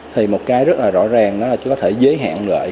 thì một cái rất là rõ ràng đó là chúng ta có thể giới hạn lợi